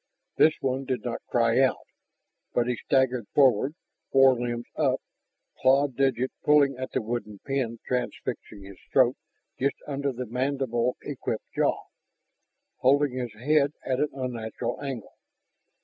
This one did not cry out. But he staggered forward, forelimbs up, clawed digits pulling at the wooden pin transfixing his throat just under the mandible equipped jaw, holding his head at an unnatural angle.